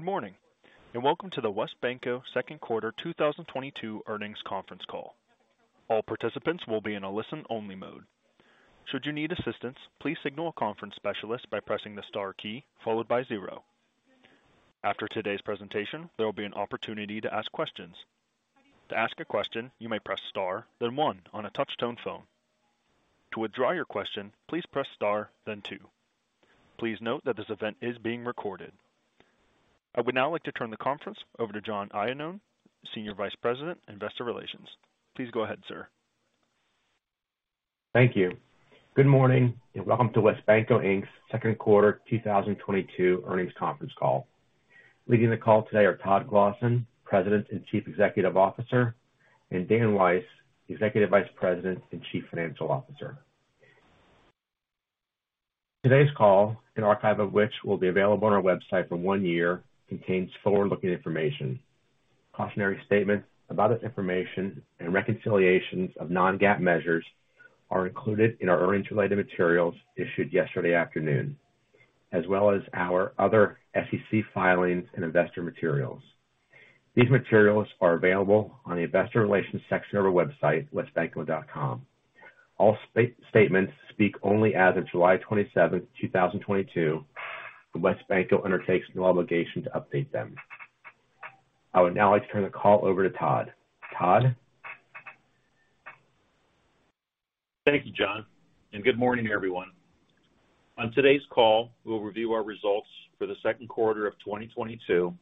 Good morning, and welcome to the WesBanco second quarter 2022 earnings conference call. All participants will be in a listen-only mode. Should you need assistance, please signal a conference specialist by pressing the star key followed by zero. After today's presentation, there will be an opportunity to ask questions. To ask a question, you may press star, then one on a touch-tone phone. To withdraw your question, please press star, then two. Please note that this event is being recorded. I would now like to turn the conference over to John Iannone, Senior Vice President of Investor Relations. Please go ahead, sir. Thank you. Good morning, and welcome to WesBanco, Inc.'s second quarter 2022 earnings conference call. Leading the call today are Todd Clossin, President and Chief Executive Officer, and Dan Weiss, Executive Vice President and Chief Financial Officer. Today's call, an archive of which will be available on our website for one year, contains forward-looking information. Cautionary statements about this information and reconciliations of non-GAAP measures are included in our earnings related materials issued yesterday afternoon, as well as our other SEC filings and investor materials. These materials are available on the investor relations section of our website, wesbanco.com. All statements speak only as of July 27, 2022, and WesBanco undertakes no obligation to update them. I would now like to turn the call over to Todd. Todd? Thank you, John, and good morning, everyone. On today's call, we'll review our results for the second quarter of 2022,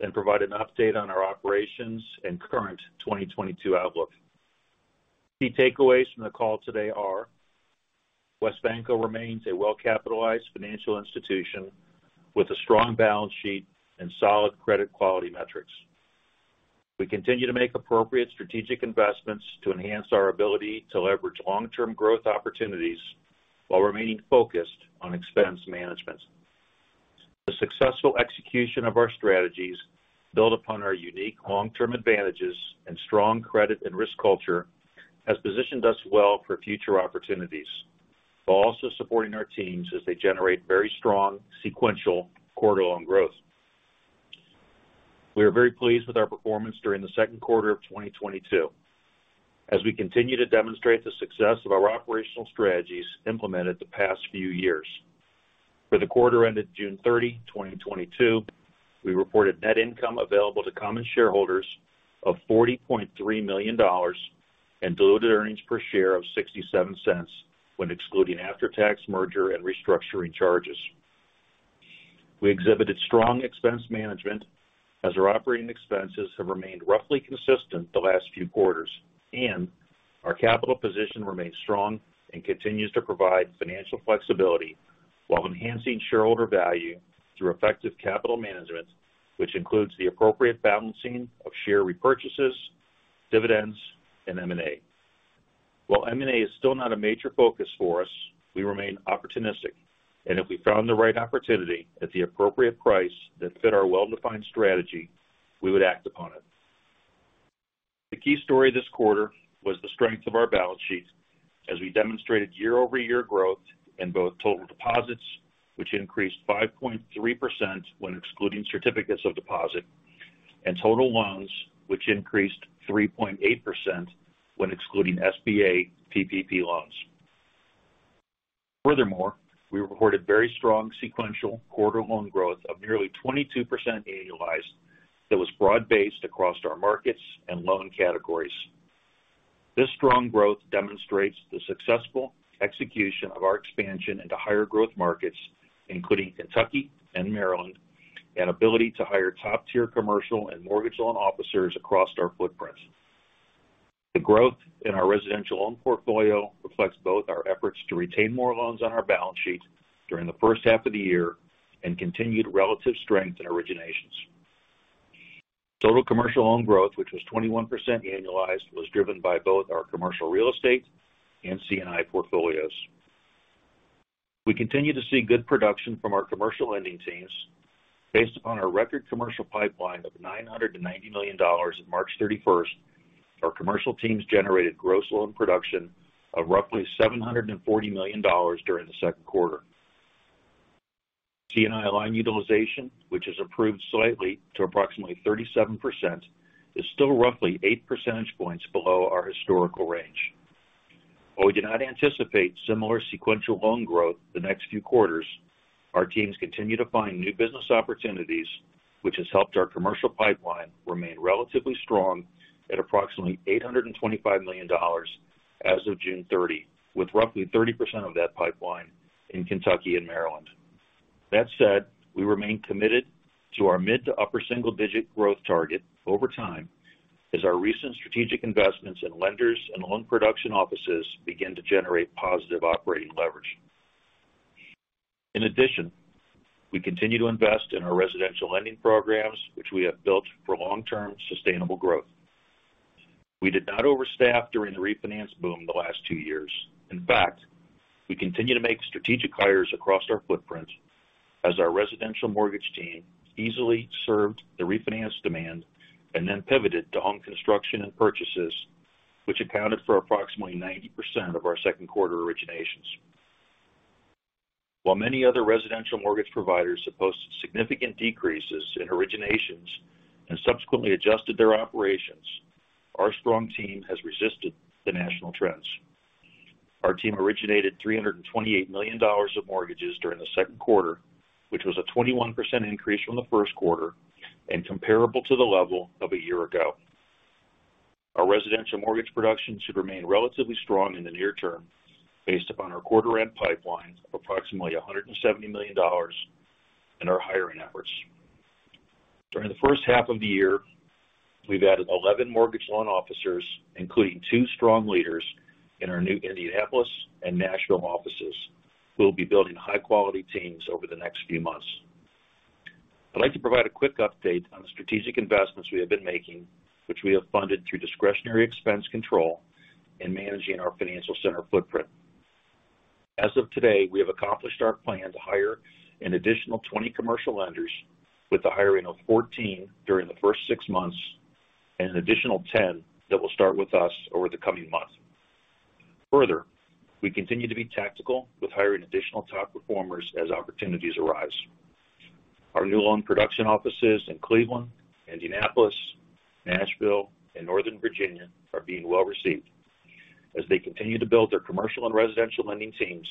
then provide an update on our operations and current 2022 outlook. Key takeaways from the call today are WesBanco remains a well-capitalized financial institution with a strong balance sheet and solid credit quality metrics. We continue to make appropriate strategic investments to enhance our ability to leverage long-term growth opportunities while remaining focused on expense management. The successful execution of our strategies build upon our unique long-term advantages and strong credit and risk culture has positioned us well for future opportunities, while also supporting our teams as they generate very strong sequential quarter on growth. We are very pleased with our performance during the second quarter of 2022 as we continue to demonstrate the success of our operational strategies implemented the past few years. For the quarter ended June 30, 2022, we reported net income available to common shareholders of $40.3 million and diluted earnings per share of $0.67 when excluding after-tax merger and restructuring charges. We exhibited strong expense management as our operating expenses have remained roughly consistent the last few quarters, and our capital position remains strong and continues to provide financial flexibility while enhancing shareholder value through effective capital management, which includes the appropriate balancing of share repurchases, dividends, and M&A. While M&A is still not a major focus for us, we remain opportunistic, and if we found the right opportunity at the appropriate price that fit our well-defined strategy, we would act upon it. The key story this quarter was the strength of our balance sheet as we demonstrated year-over-year growth in both total deposits, which increased 5.3% when excluding certificates of deposit, and total loans, which increased 3.8% when excluding SBA PPP loans. Furthermore, we reported very strong sequential quarter loan growth of nearly 22% annualized that was broad-based across our markets and loan categories. This strong growth demonstrates the successful execution of our expansion into higher growth markets, including Kentucky and Maryland, and ability to hire top-tier commercial and mortgage loan officers across our footprints. The growth in our residential loan portfolio reflects both our efforts to retain more loans on our balance sheet during the first half of the year and continued relative strength in originations. Total commercial loan growth, which was 21% annualized, was driven by both our commercial real estate and C&I portfolios. We continue to see good production from our commercial lending teams. Based upon our record commercial pipeline of $990 million at March 31st, our commercial teams generated gross loan production of roughly $740 million during the second quarter. C&I line utilization, which has improved slightly to approximately 37%, is still roughly eight percentage points below our historical range. While we do not anticipate similar sequential loan growth the next few quarters, our teams continue to find new business opportunities, which has helped our commercial pipeline remain relatively strong at approximately $825 million as of June 30, with roughly 30% of that pipeline in Kentucky and Maryland. That said, we remain committed to our mid to upper-single-digit growth target over time as our recent strategic investments in lenders and loan production offices begin to generate positive operating leverage. In addition, we continue to invest in our residential lending programs, which we have built for long-term sustainable growth. We did not overstaff during the refinance boom the last two years. In fact, we continue to make strategic hires across our footprint as our residential mortgage team easily served the refinance demand and then pivoted to home construction and purchases, which accounted for approximately 90% of our second quarter originations. While many other residential mortgage providers have posted significant decreases in originations and subsequently adjusted their operations, our strong team has resisted the national trends. Our team originated $328 million of mortgages during the second quarter, which was a 21% increase from the first quarter and comparable to the level of a year ago. Our residential mortgage production should remain relatively strong in the near term based upon our quarter end pipeline of approximately $170 million and our hiring efforts. During the first half of the year, we've added 11 mortgage loan officers, including two strong leaders in our new Indianapolis and Nashville offices, who will be building high quality teams over the next few months. I'd like to provide a quick update on the strategic investments we have been making, which we have funded through discretionary expense control and managing our financial center footprint. As of today, we have accomplished our plan to hire an additional 20 commercial lenders with the hiring of 14 during the first six months and an additional 10 that will start with us over the coming months. Further, we continue to be tactical with hiring additional top performers as opportunities arise. Our new loan production offices in Cleveland, Indianapolis, Nashville, and Northern Virginia are being well received. As they continue to build their commercial and residential lending teams,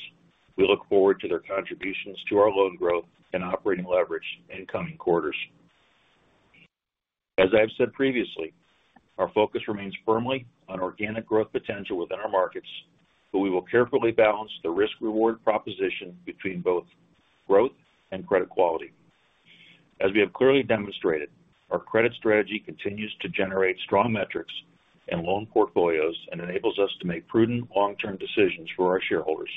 we look forward to their contributions to our loan growth and operating leverage in coming quarters. As I've said previously, our focus remains firmly on organic growth potential within our markets, but we will carefully balance the risk/reward proposition between both growth and credit quality. As we have clearly demonstrated, our credit strategy continues to generate strong metrics and loan portfolios and enables us to make prudent long-term decisions for our shareholders.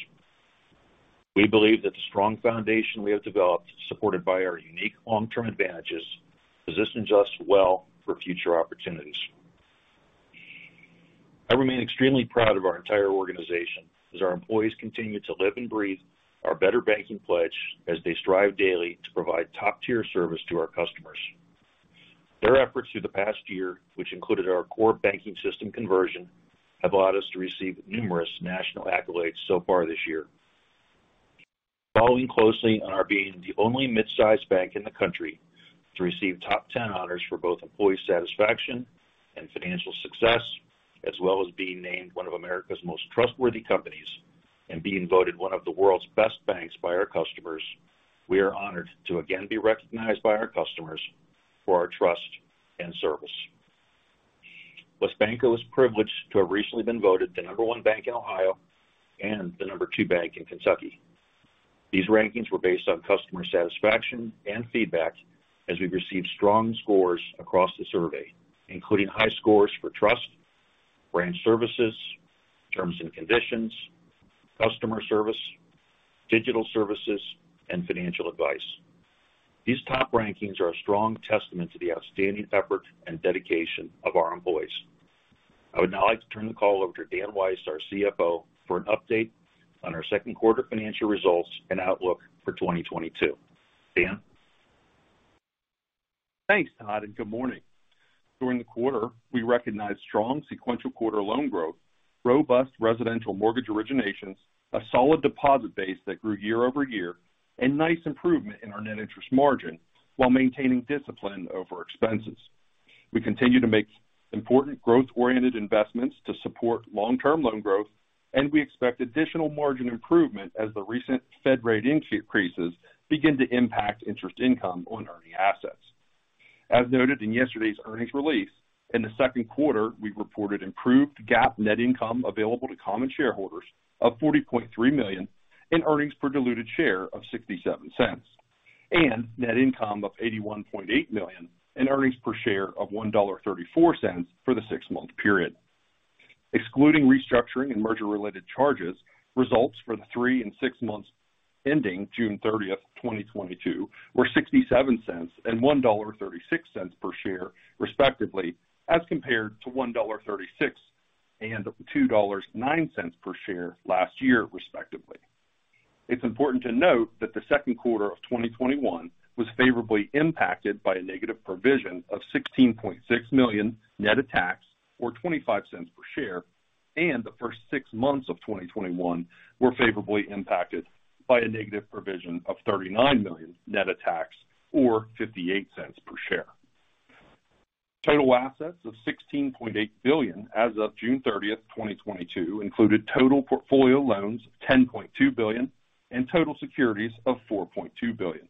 We believe that the strong foundation we have developed, supported by our unique long-term advantages, positions us well for future opportunities. I remain extremely proud of our entire organization as our employees continue to live and breathe our better banking pledge as they strive daily to provide top-tier service to our customers. Their efforts through the past year, which included our core banking system conversion, have allowed us to receive numerous national accolades so far this year. Following closely on our being the only mid-sized bank in the country to receive top 10 honors for both employee satisfaction and financial success, as well as being named one of America's most trustworthy companies and being voted one of the world's best banks by our customers, we are honored to again be recognized by our customers for our trust and service. WesBanco was privileged to have recently been voted the number one bank in Ohio and the number two bank in Kentucky. These rankings were based on customer satisfaction and feedback as we've received strong scores across the survey, including high scores for trust, branch services, terms and conditions, customer service, digital services, and financial advice. These top rankings are a strong testament to the outstanding effort and dedication of our employees. I would now like to turn the call over to Dan Weiss, our CFO, for an update on our second quarter financial results and outlook for 2022. Dan? Thanks, Todd, and good morning. During the quarter, we recognized strong sequential quarter loan growth, robust residential mortgage originations, a solid deposit base that grew year-over-year, and nice improvement in our net interest margin while maintaining discipline over expenses. We continue to make important growth-oriented investments to support long-term loan growth, and we expect additional margin improvement as the recent Fed rate increases begin to impact interest income on earning assets. As noted in yesterday's earnings release, in the second quarter, we reported improved GAAP net income available to common shareholders of $40.3 million and earnings per diluted share of $0.67, and net income of $81.8 million and earnings per share of $1.34 for the six-month period. Excluding restructuring and merger-related charges, results for the three and six months ending June 30, 2022, were $0.67 and $1.36 per share, respectively, as compared to $1.36 and $2.09 per share last year, respectively. It's important to note that the second quarter of 2021 was favorably impacted by a negative provision of $16.6 million net of tax, or $0.25 per share, and the first six months of 2021 were favorably impacted by a negative provision of $39 million net of tax, or $0.58 per share. Total assets of $16.8 billion as of June 30, 2022, included total portfolio loans, $10.2 billion, and total securities of $4.2 billion.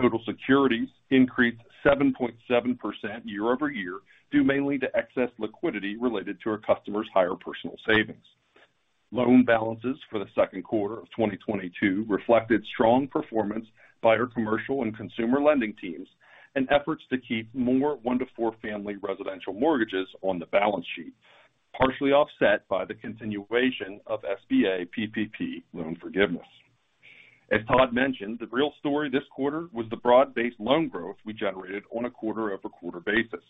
Total securities increased 7.7% year-over-year, due mainly to excess liquidity related to our customers' higher personal savings. Loan balances for the second quarter of 2022 reflected strong performance by our commercial and consumer lending teams and efforts to keep more one to four family residential mortgages on the balance sheet, partially offset by the continuation of SBA PPP loan forgiveness. As Todd mentioned, the real story this quarter was the broad-based loan growth we generated on a quarter-over-quarter basis.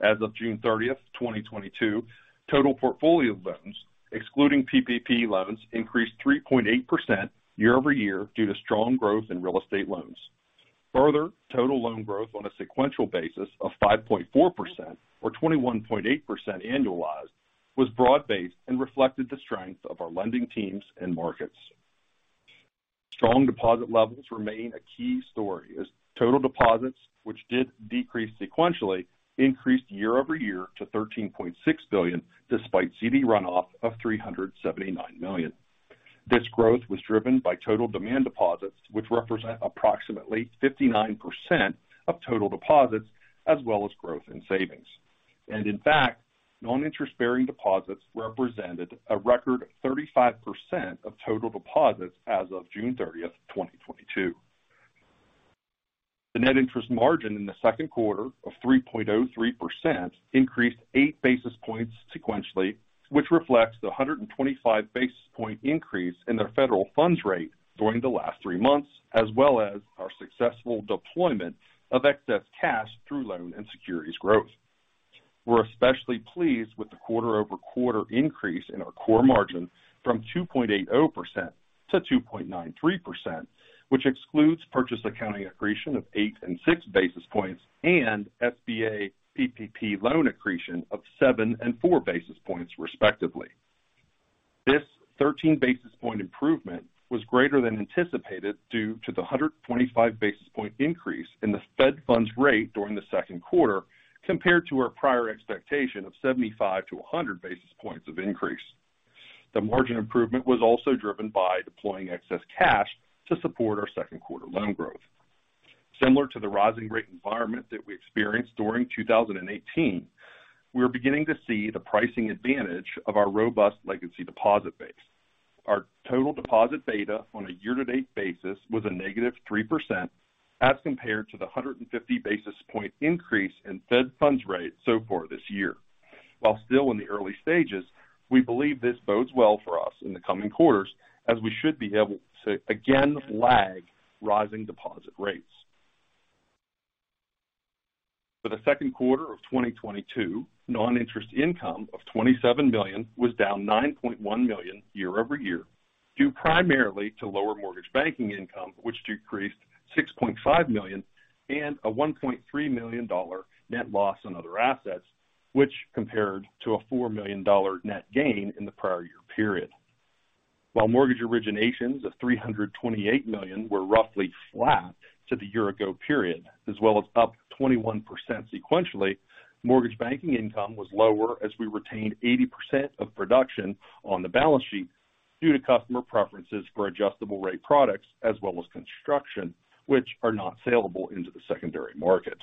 As of June 30, 2022, total portfolio loans, excluding PPP loans, increased 3.8% year-over-year due to strong growth in real estate loans. Further, total loan growth on a sequential basis of 5.4% or 21.8% annualized was broad-based and reflected the strength of our lending teams and markets. Strong deposit levels remain a key story as total deposits, which did decrease sequentially, increased year over year to $13.6 billion, despite CD runoff of $379 million. This growth was driven by total demand deposits, which represent approximately 59% of total deposits, as well as growth in savings. In fact, non-interest bearing deposits represented a record 35% of total deposits as of June 30, 2022. The net interest margin in the second quarter of 3.03% increased 8 basis points sequentially, which reflects the 125 basis point increase in their federal funds rate during the last three months, as well as our successful deployment of excess cash through loan and securities growth. We're especially pleased with the quarter-over-quarter increase in our core margin from 2.80% to 2.93%, which excludes purchase accounting accretion of 8 and 6 basis points and SBA PPP loan accretion of 7 and 4 basis points, respectively. This 13 basis point improvement was greater than anticipated due to the 125 basis point increase in the Fed funds rate during the second quarter compared to our prior expectation of 75-100 basis points of increase. The margin improvement was also driven by deploying excess cash to support our second quarter loan growth. Similar to the rising rate environment that we experienced during 2018, we are beginning to see the pricing advantage of our robust legacy deposit base. Our total deposit beta on a year-to-date basis was a negative 3% as compared to the 150 basis point increase in Fed funds rate so far this year. While still in the early stages, we believe this bodes well for us in the coming quarters as we should be able to, again, lag rising deposit rates. For the second quarter of 2022, non-interest income of $27 million was down $9.1 million year over year, due primarily to lower mortgage banking income, which decreased $6.5 million and a $1.3 million net loss on other assets, which compared to a $4 million net gain in the prior year period. While mortgage originations of $328 million were roughly flat to the year-ago period, as well as up 21% sequentially, mortgage banking income was lower as we retained 80% of production on the balance sheet due to customer preferences for adjustable rate products as well as construction, which are not sellable into the secondary market.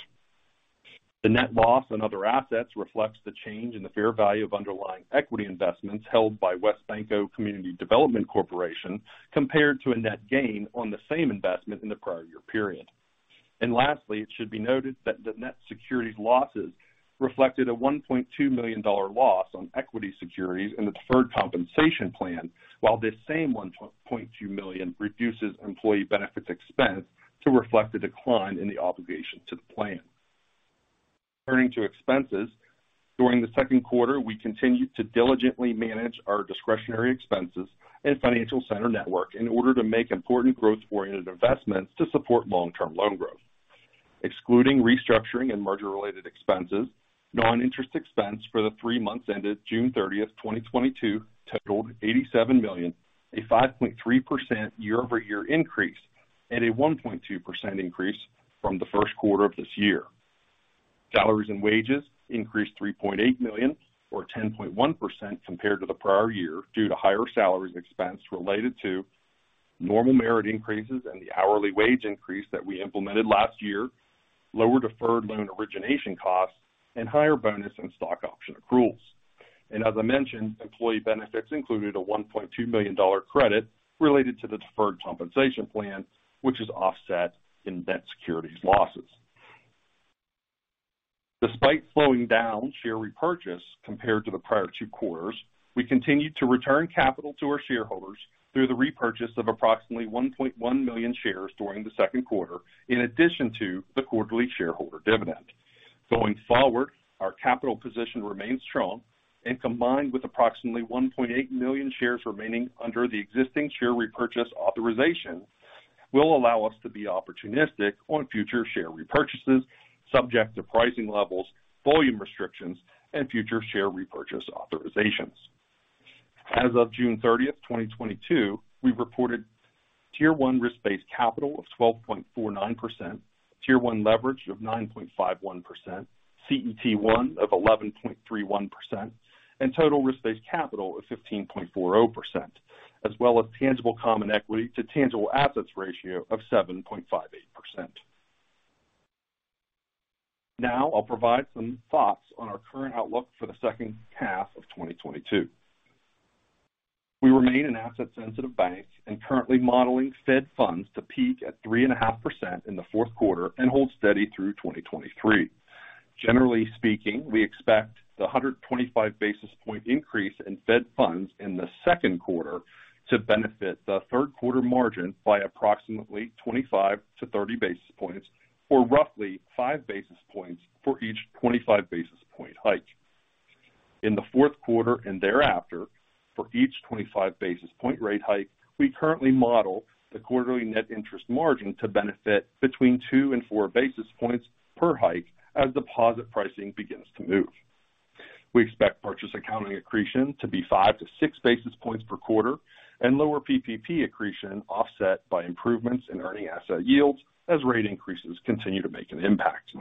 The net loss on other assets reflects the change in the fair value of underlying equity investments held by WesBanco Community Development Corporation compared to a net gain on the same investment in the prior year period. Lastly, it should be noted that the net securities losses reflected a $1.2 million loss on equity securities in the deferred compensation plan, while this same $1.2 million reduces employee benefits expense to reflect a decline in the obligation to the plan. Turning to expenses. During the second quarter, we continued to diligently manage our discretionary expenses and financial center network in order to make important growth-oriented investments to support long-term loan growth. Excluding restructuring and merger related expenses, non-interest expense for the three months ended June 30, 2022 totaled $87 million, a 5.3% year-over-year increase and a 1.2% increase from the first quarter of this year. Salaries and wages increased $3.8 million or 10.1% compared to the prior year due to higher salaries expense related to normal merit increases and the hourly wage increase that we implemented last year, lower deferred loan origination costs, and higher bonus and stock option accruals. As I mentioned, employee benefits included a $1.2 million credit related to the deferred compensation plan, which is offset in debt securities losses. Despite slowing down share repurchase compared to the prior two quarters, we continued to return capital to our shareholders through the repurchase of approximately 1.1 million shares during the second quarter, in addition to the quarterly shareholder dividend. Going forward, our capital position remains strong and combined with approximately 1.8 million shares remaining under the existing share repurchase authorization, will allow us to be opportunistic on future share repurchases, subject to pricing levels, volume restrictions, and future share repurchase authorizations. As of June 30, 2022, we reported Tier 1 risk-based capital of 12.49%, Tier 1 leverage of 9.51%, CET1 of 11.31%, and total risk-based capital of 15.40%, as well as tangible common equity to tangible assets ratio of 7.58%. Now, I'll provide some thoughts on our current outlook for the second half of 2022. We remain an asset sensitive bank and currently modeling Fed funds to peak at 3.5% in the fourth quarter and hold steady through 2023. Generally speaking, we expect the 125 basis point increase in Fed funds in the second quarter to benefit the third quarter margin by approximately 25-30 basis points or roughly 5 basis points for each 25 basis point hike. In the fourth quarter and thereafter, for each 25 basis point rate hike, we currently model the quarterly net interest margin to benefit between 2-4 basis points per hike as deposit pricing begins to move. We expect purchase accounting accretion to be 5-6 basis points per quarter and lower PPP accretion offset by improvements in earning asset yields as rate increases continue to make an impact.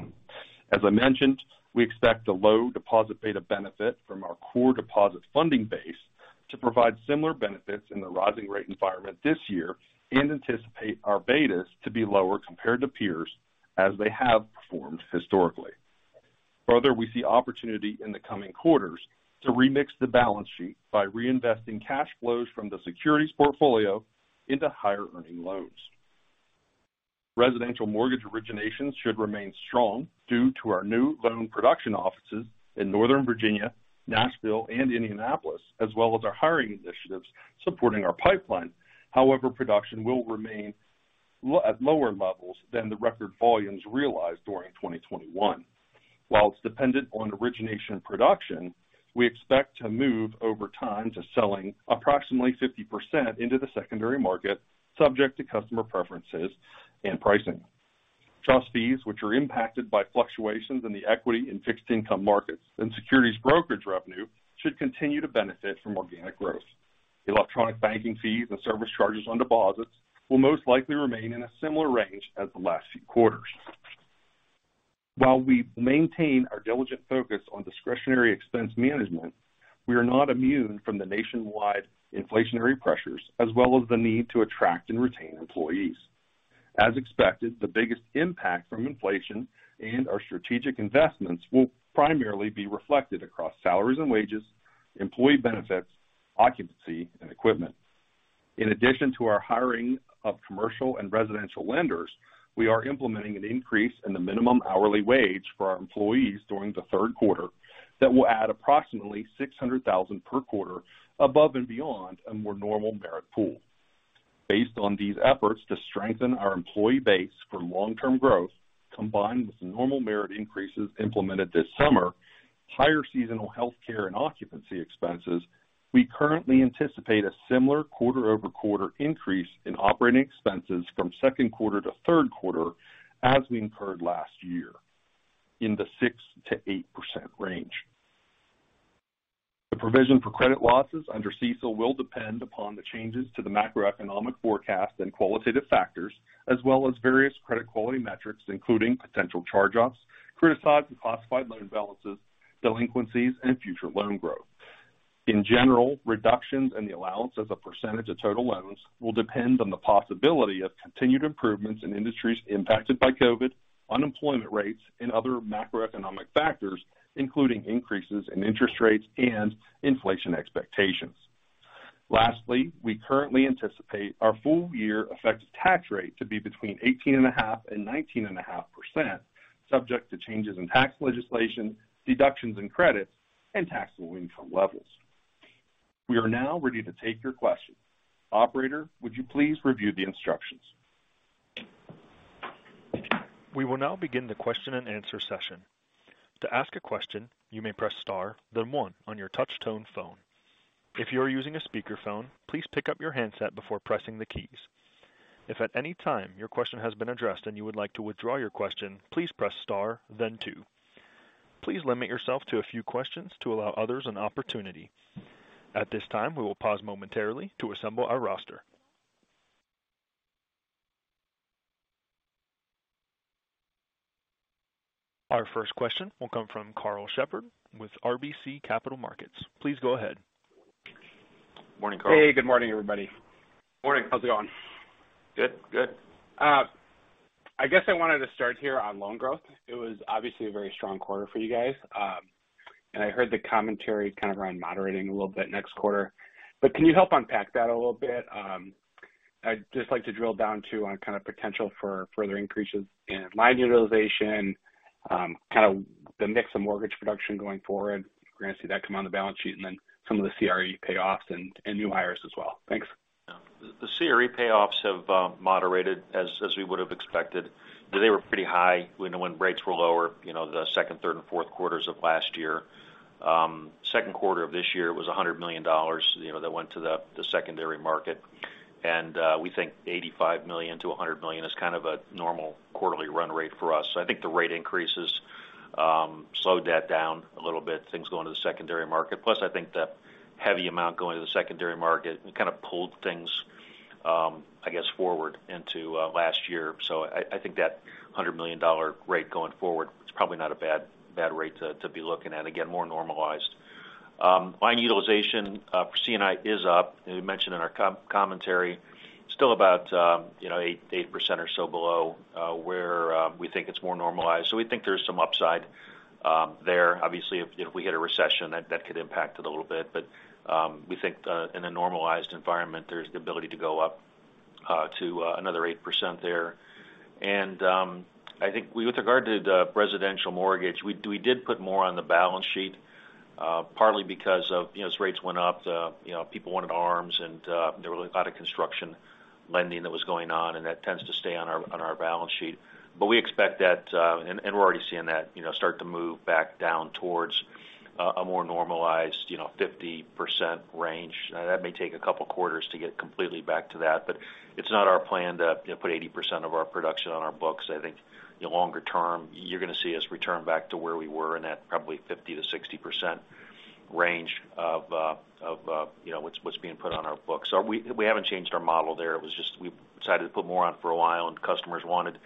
As I mentioned, we expect a low deposit beta benefit from our core deposit funding base to provide similar benefits in the rising rate environment this year and anticipate our betas to be lower compared to peers as they have performed historically. Further, we see opportunity in the coming quarters to remix the balance sheet by reinvesting cash flows from the securities portfolio into higher earning loans. Residential mortgage originations should remain strong due to our new loan production offices in Northern Virginia, Nashville, and Indianapolis, as well as our hiring initiatives supporting our pipeline. However, production will remain at lower levels than the record volumes realized during 2021. While it's dependent on origination production, we expect to move over time to selling approximately 50% into the secondary market, subject to customer preferences and pricing. Trust fees, which are impacted by fluctuations in the equity and fixed income markets and securities brokerage revenue, should continue to benefit from organic growth. Electronic banking fees and service charges on deposits will most likely remain in a similar range as the last few quarters. While we maintain our diligent focus on discretionary expense management, we are not immune from the nationwide inflationary pressures as well as the need to attract and retain employees. As expected, the biggest impact from inflation and our strategic investments will primarily be reflected across salaries and wages, employee benefits, occupancy, and equipment. In addition to our hiring of commercial and residential lenders, we are implementing an increase in the minimum hourly wage for our employees during the third quarter that will add approximately $600,000 per quarter above and beyond a more normal merit pool. Based on these efforts to strengthen our employee base for long-term growth, combined with normal merit increases implemented this summer, higher seasonal health care and occupancy expenses. We currently anticipate a similar quarter-over-quarter increase in operating expenses from second quarter to third quarter as we incurred last year in the 6%-8% range. The provision for credit losses under CECL will depend upon the changes to the macroeconomic forecast and qualitative factors, as well as various credit quality metrics, including potential charge-offs, criticized and classified loan balances, delinquencies, and future loan growth. In general, reductions in the allowance as a percentage of total loans will depend on the possibility of continued improvements in industries impacted by COVID, unemployment rates, and other macroeconomic factors, including increases in interest rates and inflation expectations. Lastly, we currently anticipate our full year effective tax rate to be between 18.5% and 19.5% subject to changes in tax legislation, deductions and credits, and taxable income levels. We are now ready to take your questions. Operator, would you please review the instructions? We will now begin the question-and-answer session. To ask a question, you may press star, then one on your touch tone phone. If you are using a speakerphone, please pick up your handset before pressing the keys. If at any time your question has been addressed and you would like to withdraw your question, please press star then two. Please limit yourself to a few questions to allow others an opportunity. At this time, we will pause momentarily to assemble our roster. Our first question will come from Karl Shepard with RBC Capital Markets. Please go ahead. Morning, Karl. Hey, good morning, everybody. Morning. How's it going? Good. Good. I guess I wanted to start here on loan growth. It was obviously a very strong quarter for you guys, and I heard the commentary kind of around moderating a little bit next quarter. Can you help unpack that a little bit? I'd just like to drill down on kind of potential for further increases in line utilization, kind of the mix of mortgage production going forward. Granted, we see that come on the balance sheet and then some of the CRE payoffs and new hires as well. Thanks. The CRE payoffs have moderated as we would have expected. They were pretty high, you know, when rates were lower, you know, the second, third, and fourth quarters of last year. Second quarter of this year was $100 million, you know, that went to the secondary market. We think $85 million-$100 million is kind of a normal quarterly run rate for us. I think the rate increases slowed that down a little bit, things going to the secondary market. Plus, I think the heavy amount going to the secondary market kind of pulled things, I guess, forward into last year. I think that $100 million dollar rate going forward, it's probably not a bad rate to be looking at, again, more normalized. Line utilization for C&I is up. As we mentioned in our commentary, still about, you know, 8% or so below where we think it's more normalized. We think there's some upside there. Obviously, if we hit a recession, that could impact it a little bit. We think in a normalized environment, there's the ability to go up. To another 8% there. I think with regard to the residential mortgage, we did put more on the balance sheet, partly because of, you know, as rates went up, you know, people wanted ARMs and there were a lot of construction lending that was going on, and that tends to stay on our balance sheet. We expect that, and we're already seeing that, you know, start to move back down towards a more normalized, you know, 50% range. Now, that may take a couple quarters to get completely back to that, but it's not our plan to, you know, put 80% of our production on our books. I think the longer term, you're gonna see us return back to where we were in that probably 50%-60% range of, you know, what's being put on our books. We haven't changed our model there. It was just we decided to put more on for a while, and customers wanted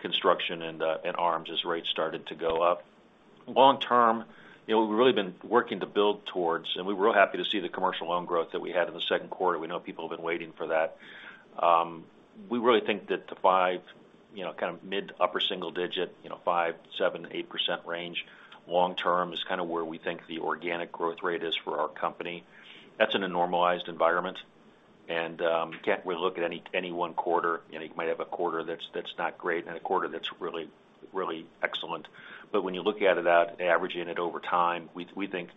construction and ARMs as rates started to go up. Long term, you know, we've really been working to build towards, and we were happy to see the commercial loan growth that we had in the second quarter. We know people have been waiting for that. We really think that the five, you know, kind of mid to upper-single-digit, you know, 5%, 7%, 8% range long term is kind of where we think the organic growth rate is for our company. That's in a normalized environment. You can't really look at any one quarter, you know. You might have a quarter that's not great and a quarter that's really excellent. When you look at it averaging it over time, we think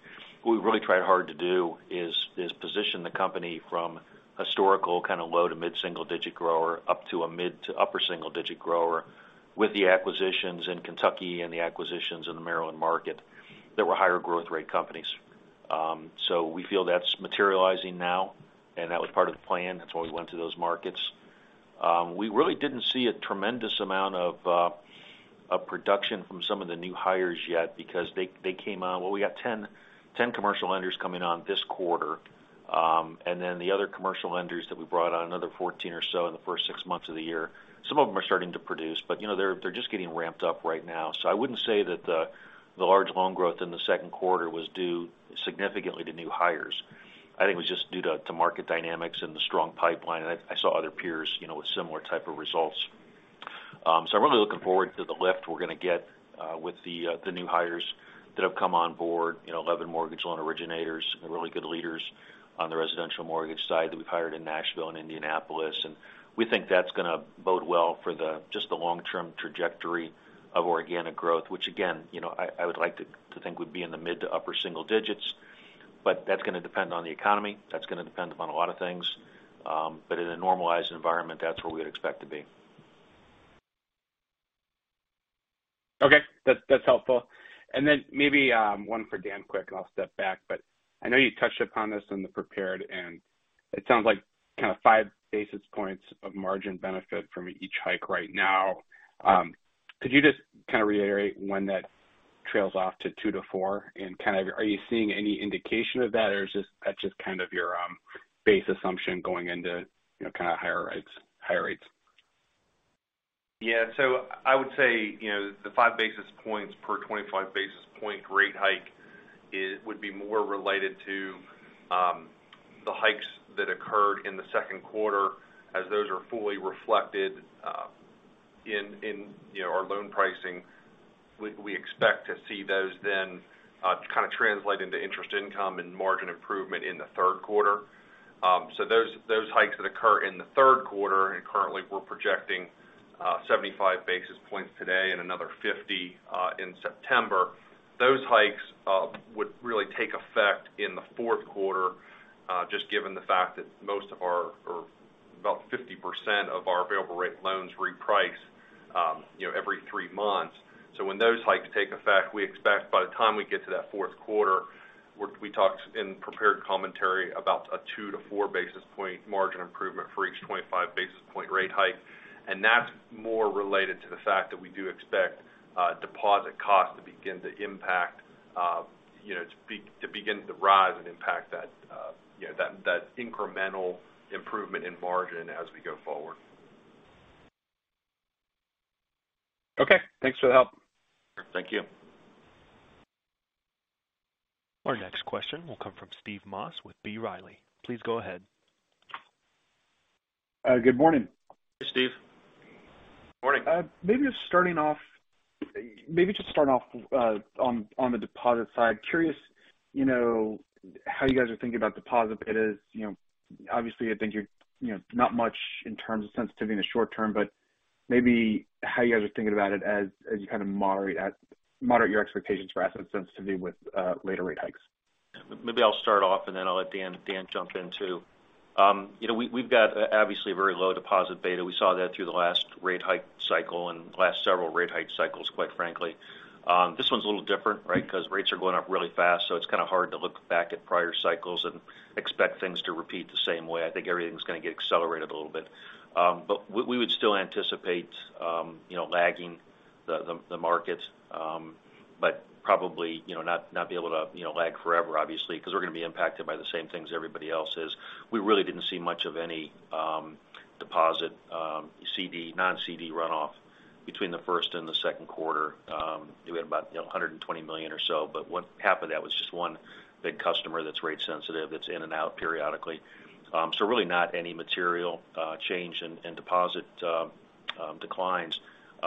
what we really tried hard to do is position the company from historical kind of low to mid-single digit grower up to a mid to upper single digit grower with the acquisitions in Kentucky and the acquisitions in the Maryland market that were higher growth rate companies. We feel that's materializing now, and that was part of the plan. That's why we went to those markets. We really didn't see a tremendous amount of production from some of the new hires yet because they came on. Well, we got 10 commercial lenders coming on this quarter. The other commercial lenders that we brought on, another 14 or so in the first six months of the year, some of them are starting to produce, but, you know, they're just getting ramped up right now. I wouldn't say that the large loan growth in the second quarter was due significantly to new hires. I think it was just due to market dynamics and the strong pipeline. I saw other peers, you know, with similar type of results. I'm really looking forward to the lift we're going to get with the new hires that have come on board, you know, 11 mortgage loan originators and really good leaders on the residential mortgage side that we've hired in Nashville and Indianapolis. We think that's gonna bode well for the, just the long-term trajectory of organic growth, which again, you know, I would like to think would be in the mid to upper single digits. That's going to depend on the economy. That's going to depend upon a lot of things. In a normalized environment, that's where we'd expect to be. Okay. That's helpful. Then maybe one for Dan quick, and I'll step back. I know you touched upon this in the prepared, and it sounds like kind of five basis points of margin benefit from each hike right now. Could you just kind of reiterate when that trails off to two to four and kind of are you seeing any indication of that, or is this, that's just kind of your base assumption going into, you know, kind of higher rates, higher rates? Yeah. I would say, you know, the 5 basis points per 25 basis point rate hike would be more related to the hikes that occurred in the second quarter as those are fully reflected in you know, our loan pricing. We expect to see those then kind of translate into interest income and margin improvement in the third quarter. Those hikes that occur in the third quarter, and currently we're projecting 75 basis points today and another 50 in September. Those hikes would really take effect in the fourth quarter just given the fact that most of our, or about 50% of our variable rate loans reprice you know, every three months. When those hikes take effect, we expect by the time we get to that fourth quarter, we talked in prepared commentary about a 2-4 basis point margin improvement for each 25 basis point rate hike. That's more related to the fact that we do expect deposit cost to begin to rise and impact that, you know, that incremental improvement in margin as we go forward. Okay. Thanks for the help. Thank you. Our next question will come from Steve Moss with B. Riley. Please go ahead. Good morning. Hey, Steve. Morning. Maybe just start off on the deposit side. Curious, you know, how you guys are thinking about deposit beta as, you know, obviously, I think you're, you know, not much in terms of sensitivity in the short term, but maybe how you guys are thinking about it as you kind of moderate your expectations for asset sensitivity with later rate hikes. Maybe I'll start off, and then I'll let Dan jump in, too. You know, we've got obviously very low deposit beta. We saw that through the last rate hike cycle and last several rate hike cycles, quite frankly. This one's a little different, right, because rates are going up really fast, so it's kind of hard to look back at prior cycles and expect things to repeat the same way. I think everything's going to get accelerated a little bit. We would still anticipate you know, lagging the market, but probably, you know, not be able to lag forever, obviously, because we're going to be impacted by the same things everybody else is. We really didn't see much of any deposit CD, non-CD runoff between the first and the second quarter. We had about, you know, $120 million or so, but one half of that was just one big customer that's rate sensitive, that's in and out periodically. Really not any material change in deposit declines.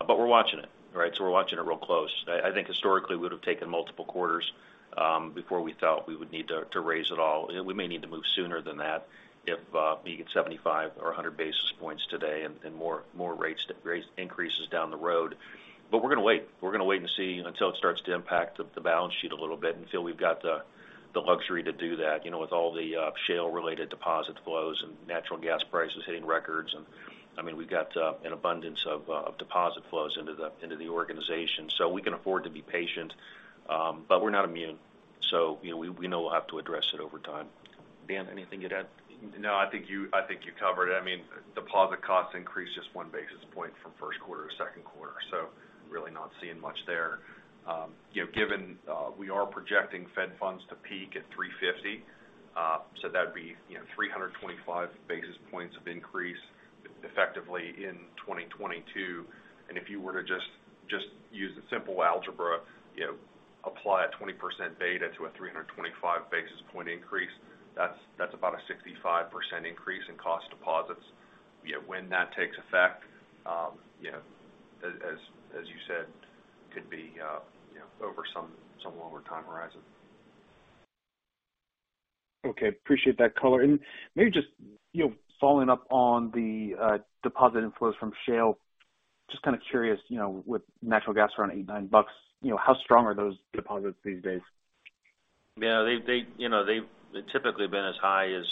We're watching it, right? We're watching it real close. I think historically we would've taken multiple quarters before we felt we would need to raise it all. We may need to move sooner than that if be it 75 or 100 basis points today and more rate increases down the road. We're gonna wait. We're gonna wait and see until it starts to impact the balance sheet a little bit until we've got the luxury to do that, you know, with all the shale-related deposit flows and natural gas prices hitting records. I mean, we've got an abundance of deposit flows into the organization. We can afford to be patient, but we're not immune. You know, we know we'll have to address it over time. Dan, anything to add? No, I think you covered. I mean, deposit costs increased just 1 basis point from first quarter to second quarter, so really not seeing much there. You know, given we are projecting Fed funds to peak at 3.50, so that'd be, you know, 325 basis points of increase effectively in 2022. If you were to just use simple algebra, you know, apply a 20% beta to a 325 basis point increase, that's about a 65% increase in cost deposits. Yet when that takes effect, you know, as you said, could be, you know, over some longer time horizon. Okay. Appreciate that color. Maybe just, you know, following up on the deposit inflows from shale, just kind of curious, you know, with natural gas around $8-$9, you know, how strong are those deposits these days? Yeah, you know, they've typically been as high as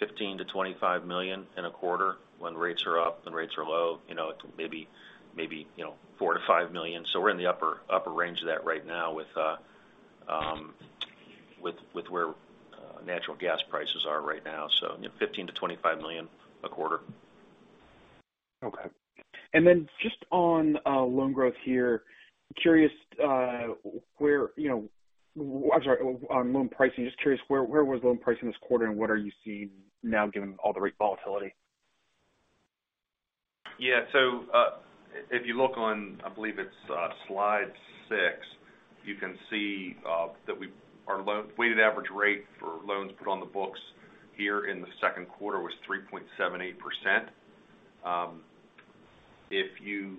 $15-$25 million in a quarter when rates are up. When rates are low, you know, it's maybe $4-$5 million. We're in the upper range of that right now with where natural gas prices are right now. You know, $15-$25 million a quarter. Okay. Just on loan pricing, just curious, where was loan pricing this quarter, and what are you seeing now given all the rate volatility? If you look on, I believe it's slide 6, you can see that our weighted average rate for loans put on the books here in the second quarter was 3.78%. If you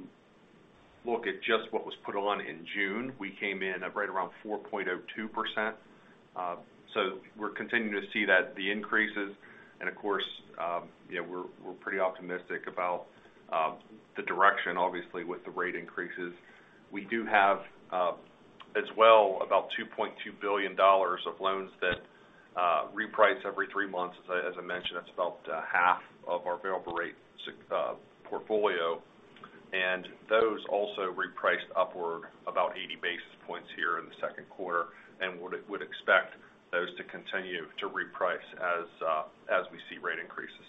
look at just what was put on in June, we came in at right around 4.02%. We're continuing to see that, the increases and of course, you know, we're pretty optimistic about the direction obviously with the rate increases. We do have, as well, about $2.2 billion of loans that reprice every three months. As I mentioned, that's about half of our variable rate portfolio. Those also repriced upward about 80 basis points here in the second quarter and would expect those to continue to reprice as we see rate increases.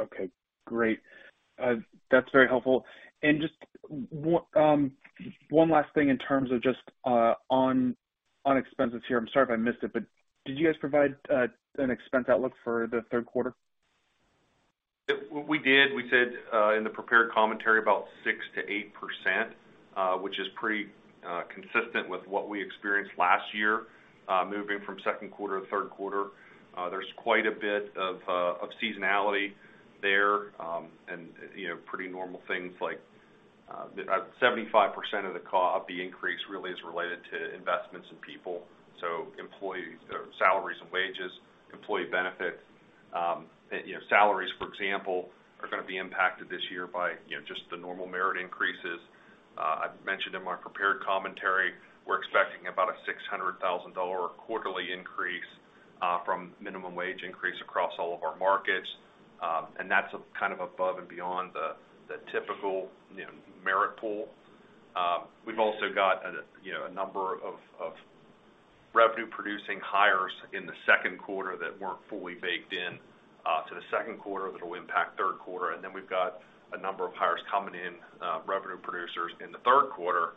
Okay, great. That's very helpful. Just one last thing in terms of just on expenses here. I'm sorry if I missed it, but did you guys provide an expense outlook for the third quarter? We did. We said in the prepared commentary about 6%-8%, which is pretty consistent with what we experienced last year, moving from second quarter to third quarter. There's quite a bit of seasonality there. You know, pretty normal things like 75% of the increase really is related to investments in people. Or salaries and wages, employee benefits. You know, salaries, for example, are gonna be impacted this year by just the normal merit increases. I've mentioned in my prepared commentary, we're expecting about a $600,000 quarterly increase from minimum wage increase across all of our markets. And that's kind of above and beyond the typical merit pool. We've also got, you know, a number of revenue producing hires in the second quarter that weren't fully baked in to the second quarter, that'll impact third quarter. We've got a number of hires coming in, revenue producers in the third quarter,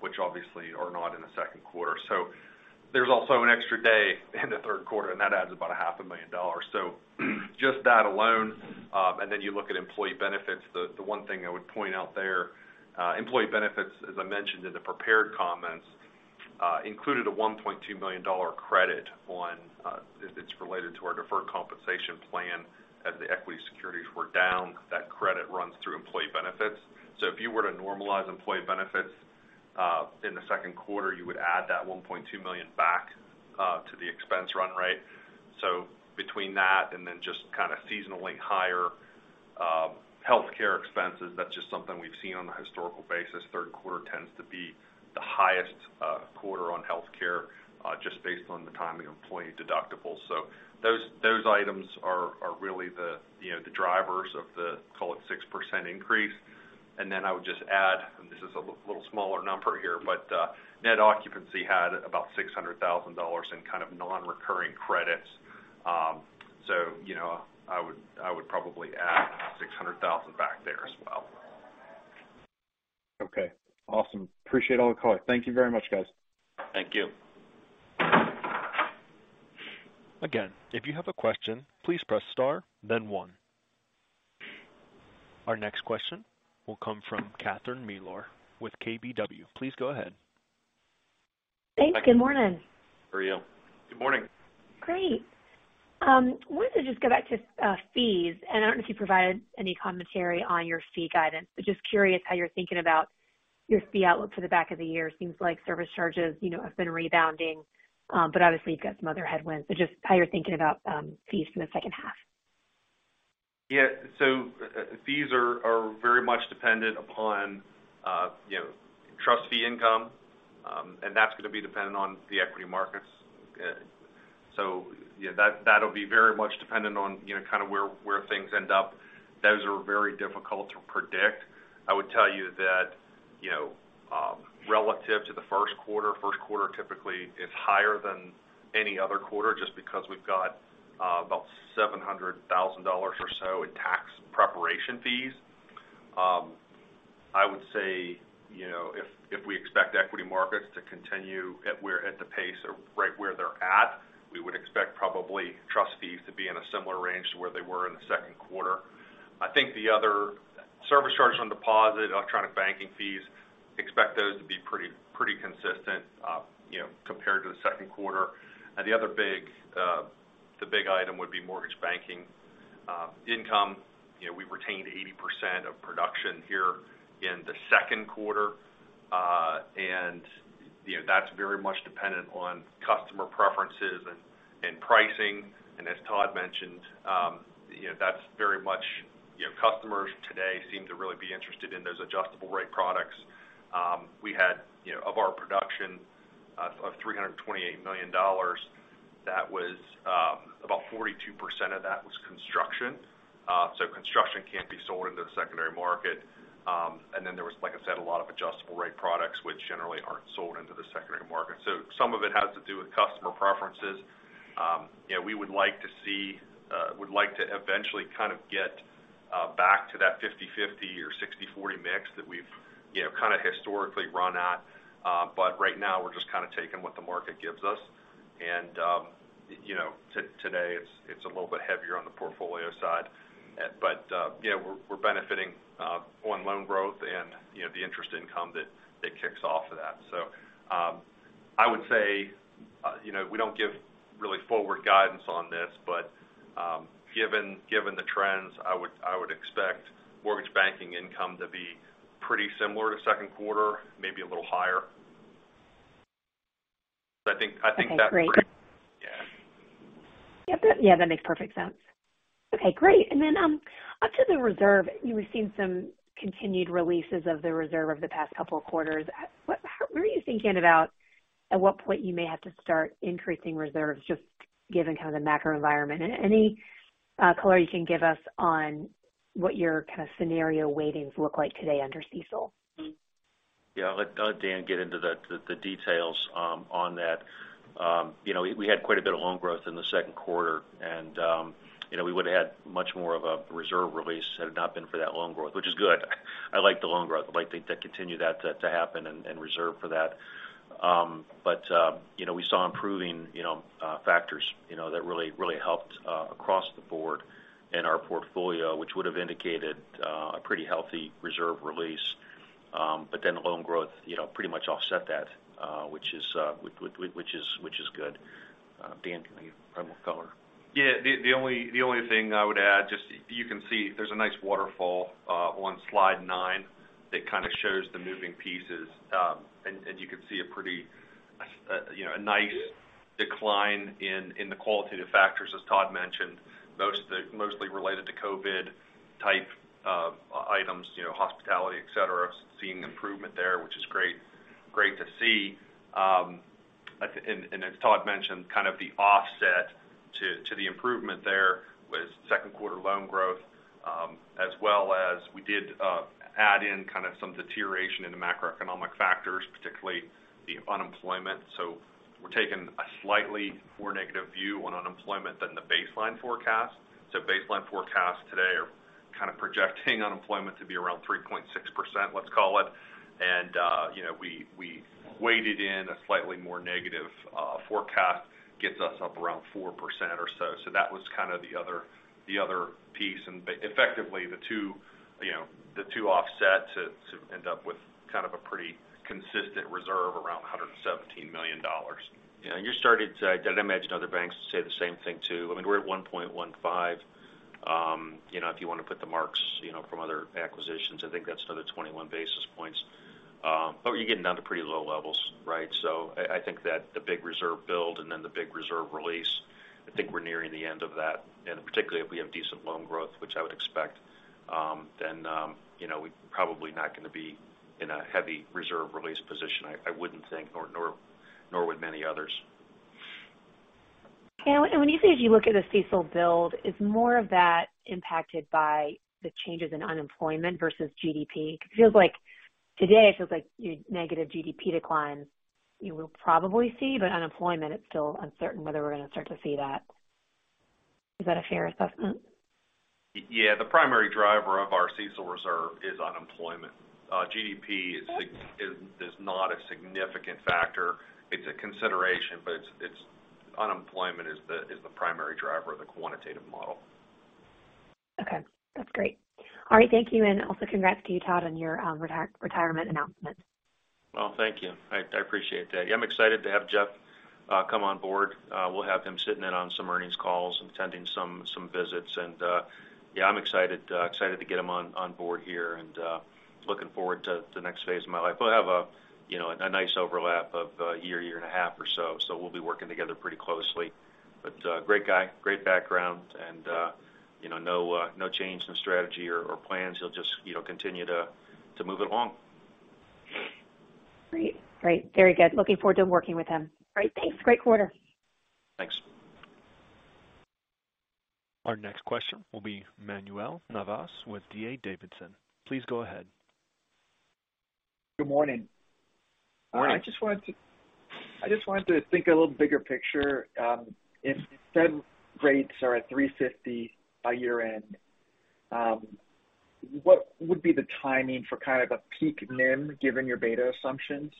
which obviously are not in the second quarter. There's also an extra day in the third quarter, and that adds about $500,000. Just that alone, and then you look at employee benefits, the one thing I would point out there, employee benefits, as I mentioned in the prepared comments, included a $1.2 million credit. It's related to our deferred compensation plan as the equity securities were down. That credit runs through employee benefits. If you were to normalize employee benefits in the second quarter, you would add that $1.2 million back to the expense run rate. Between that and then just kind of seasonally higher healthcare expenses, that's just something we've seen on a historical basis. Third quarter tends to be the highest quarter on healthcare just based on the timing of employee deductibles. Those items are really the, you know, the drivers of the, call it 6% increase. Then I would just add, and this is a little smaller number here, but net occupancy had about $600,000 in kind of non-recurring credits. You know, I would probably add $600,000 back there as well. Okay, awesome. Appreciate all the color. Thank you very much, guys. Thank you. Again, if you have a question, please press star then one. Our next question will come from Catherine Mealor with KBW. Please go ahead. Thanks. Good morning. Good morning. Great. Wanted to just go back to fees, and I don't know if you provided any commentary on your fee guidance, but just curious how you're thinking about your fee outlook for the back half of the year. Seems like service charges, you know, have been rebounding, but obviously you've got some other headwinds. Just how you're thinking about fees for the second half. Yeah. Fees are very much dependent upon, you know, trust fee income, and that's going to be dependent on the equity markets. That, that'll be very much dependent on, you know, kind of where things end up. Those are very difficult to predict. I would tell you that, you know, relative to the first quarter, first quarter typically is higher than any other quarter just because we've got about $700,000 or so in tax preparation fees. I would say, you know, if we expect equity markets to continue at the pace or right where they're at, we would expect probably trust fees to be in a similar range to where they were in the second quarter. I think the other service charges on deposit, electronic banking fees, expect those to be pretty consistent, you know, compared to the second quarter. The other big item would be mortgage banking income. You know, we retained 80% of production here in the second quarter, and you know, that's very much dependent on customer preferences and pricing. As Todd mentioned, you know, that's very much, you know, customers today seem to really be interested in those adjustable rate products. We had, you know, of our production of $328 million, that was about 42% of that was construction. So construction can't be sold into the secondary market. And then there was, like I said, a lot of adjustable rate products, which generally aren't sold into the secondary market. Some of it has to do with customer preferences. You know, we would like to eventually kind of get back to that 50/50 or 60/40 mix that we've, you know, kind of historically run at. Right now we're just kind of taking what the market gives us. Today it's a little bit heavier on the portfolio side. You know, we're benefiting on loan growth and, you know, the interest income that kicks off of that. I would say, you know, we don't give really forward guidance on this, given the trends, I would expect mortgage banking income to be pretty similar to second quarter, maybe a little higher. I think that's right. Okay, great. Yeah. Yeah, that makes perfect sense. Okay, great. Onto the reserve, we've seen some continued releases of the reserve over the past couple of quarters. What are you thinking about at what point you may have to start increasing reserves just given kind of the macro environment? Any color you can give us on what your kind of scenario weightings look like today under CECL? Yeah, I'll let Dan get into the details on that. You know, we had quite a bit of loan growth in the second quarter, and you know, we would've had much more of a reserve release had it not been for that loan growth, which is good. I like the loan growth. I'd like to continue that to happen and reserve for that. You know, we saw improving you know factors you know that really helped across the board in our portfolio, which would have indicated a pretty healthy reserve release. The loan growth you know pretty much offset that, which is good. Dan, can you provide more color? Yeah. The only thing I would add, just you can see there's a nice waterfall on slide 9 that kind of shows the moving pieces. And you can see a pretty you know a nice decline in the qualitative factors, as Todd mentioned, mostly related to COVID type of items, you know, hospitality, et cetera. Seeing improvement there, which is great to see. And as Todd mentioned, kind of the offset to the improvement there was second quarter loan growth, as well as we did add in kind of some deterioration in the macroeconomic factors, particularly the unemployment. We're taking a slightly more negative view on unemployment than the baseline forecast. Baseline forecasts today are kind of projecting unemployment to be around 3.6%, let's call it. You know, we weighed in a slightly more negative forecast, gets us up around 4% or so. That was kind of the other piece. Effectively, the two, you know, offset to end up with kind of a pretty consistent reserve around $117 million. Yeah. You started to, I'd imagine other banks say the same thing, too. I mean, we're at 1.15%. You know, if you want to put the marks, you know, from other acquisitions, I think that's another 21 basis points. But you're getting down to pretty low levels, right? I think that the big reserve build and then the big reserve release, I think we're nearing the end of that. Particularly if we have decent loan growth, which I would expect, then, you know, we're probably not going to be in a heavy reserve release position. I wouldn't think, nor would many others. When you say, as you look at the CECL build, is more of that impacted by the changes in unemployment versus GDP? Because today it feels like your negative GDP declines you will probably see, but unemployment, it's still uncertain whether we're going to start to see that. Is that a fair assessment? The primary driver of our CECL reserve is unemployment. GDP is not a significant factor. It's a consideration, but unemployment is the primary driver of the quantitative model. Okay, that's great. All right, thank you. Also congrats to you, Todd, on your retirement announcement. Well, thank you. I appreciate that. Yeah, I'm excited to have Jeff come on board. We'll have him sitting in on some earnings calls and attending some visits. Yeah, I'm excited to get him on board here and looking forward to the next phase of my life. We'll have, you know, a nice overlap of a year and a half or so we'll be working together pretty closely. Great guy, great background and, you know, no change in strategy or plans. He'll just, you know, continue to move it along. Great. Very good. Looking forward to working with him. All right. Thanks. Great quarter. Thanks. Our next question will be Manuel Navas with D.A. Davidson. Please go ahead. Good morning. Morning. I just wanted to think a little bigger picture. If Fed rates are at 3.50 by year-end, what would be the timing for kind of a peak NIM given your beta assumptions?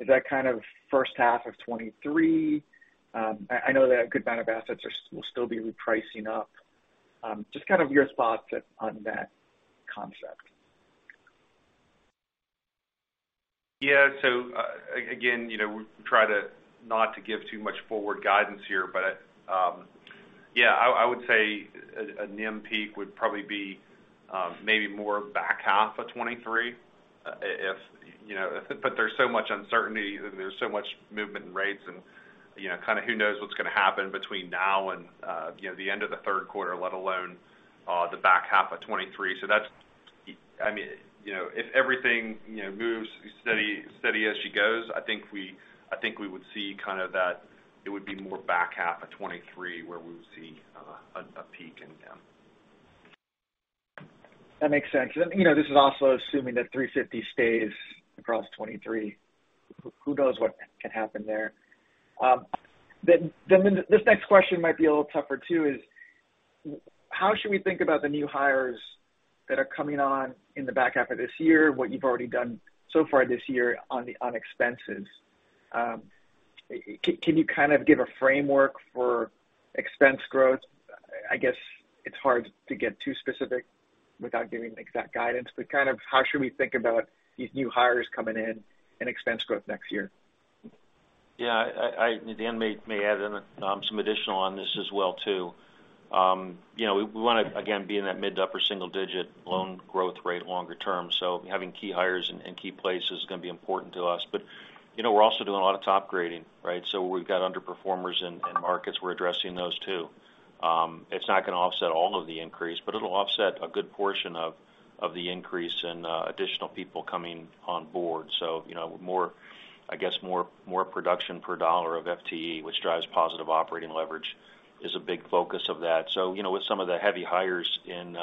Is that kind of first half of 2023? I know that a good amount of assets will still be repricing up. Just kind of your thoughts on that concept. Yeah. We try not to give too much forward guidance here, but I would say a NIM peak would probably be maybe more back half of 2023. But there's so much uncertainty, there's so much movement in rates and, you know, kind of who knows what's gonna happen between now and, you know, the end of the third quarter, let alone, the back half of 2023. That's, I mean, you know, if everything, you know, moves steady as she goes, I think we would see kind of that it would be more back half of 2023 where we would see a peak in NIM. That makes sense. You know, this is also assuming that 3.50% stays across 2023. Who knows what can happen there? This next question might be a little tougher, too, is how should we think about the new hires that are coming on in the back half of this year, what you've already done so far this year on the noninterest expenses? Can you kind of give a framework for expense growth? I guess it's hard to get too specific without giving exact guidance, but kind of how should we think about these new hires coming in and expense growth next year? Yeah. Dan may add in some additional on this as well, too. You know, we wanna, again, be in that mid to upper single digit loan growth rate longer term. Having key hires in key places is gonna be important to us. You know, we're also doing a lot of top grading, right? Where we've got underperformers in markets, we're addressing those too. It's not gonna offset all of the increase, but it'll offset a good portion of the increase in additional people coming on board. You know, I guess, more production per dollar of FTE, which drives positive operating leverage is a big focus of that. You know, with some of the heavy hires in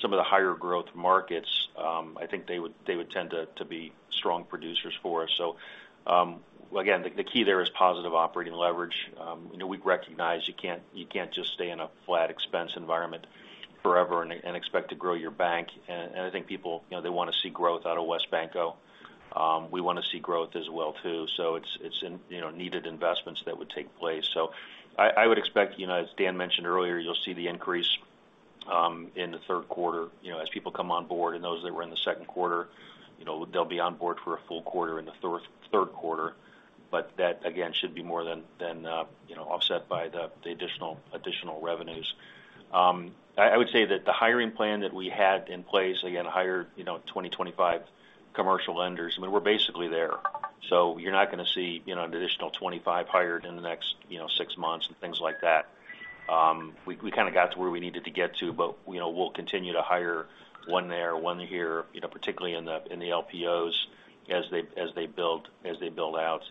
some of the higher growth markets, I think they would tend to be strong producers for us. Again, the key there is positive operating leverage. You know, we recognize you can't just stay in a flat expense environment forever and expect to grow your bank. I think people, you know, they wanna see growth out of WesBanco. We wanna see growth as well too. It's in needed investments that would take place. I would expect, you know, as Dan mentioned earlier, you'll see the increase in the third quarter, you know, as people come on board and those that were in the second quarter, you know, they'll be on board for a full quarter in the third quarter. That again should be more than offset by the additional revenues. I would say that the hiring plan that we had in place, again, hire 25 commercial lenders, I mean, we're basically there. You're not gonna see, you know, an additional 25 hired in the next six months and things like that. We kind of got to where we needed to get to, but you know, we'll continue to hire one there, one here, you know, particularly in the LPOs as they build out.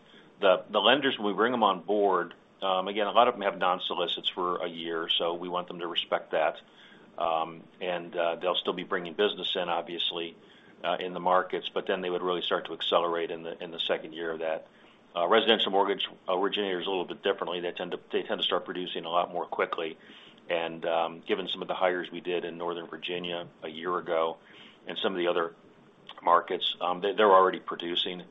The lenders, when we bring them on board, again, a lot of them have non-solicits for a year, so we want them to respect that. They'll still be bringing business in obviously in the markets, but then they would really start to accelerate in the second year of that. Residential mortgage originates a little bit differently. They tend to start producing a lot more quickly. Given some of the hires we did in Northern Virginia a year ago and some of the other markets, they're already producing.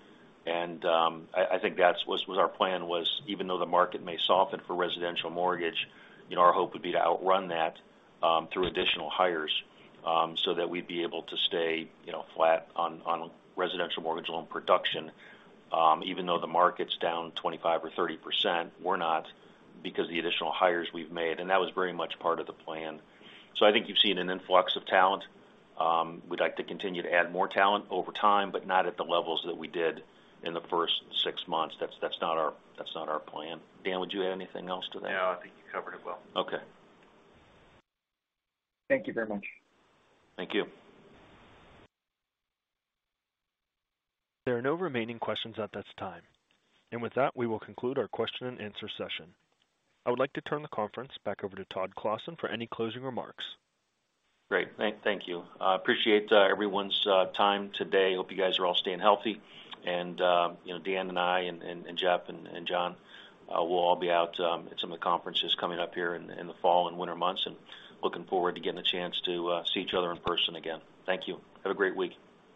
I think that was our plan even though the market may soften for residential mortgage, you know, our hope would be to outrun that, through additional hires, so that we'd be able to stay, you know, flat on residential mortgage loan production. Even though the market's down 25% or 30%, we're not because the additional hires we've made, and that was very much part of the plan. I think you've seen an influx of talent. We'd like to continue to add more talent over time, but not at the levels that we did in the first six months. That's not our plan. Dan, would you add anything else to that? No, I think you covered it well. Okay. Thank you very much. Thank you. There are no remaining questions at this time. With that, we will conclude our question and answer session. I would like to turn the conference back over to Todd Clossin for any closing remarks. Great. Thank you. Appreciate everyone's time today. Hope you guys are all staying healthy. You know, Dan and I and Jeff and John, we'll all be out at some of the conferences coming up here in the fall and winter months, and looking forward to getting the chance to see each other in person again. Thank you. Have a great week.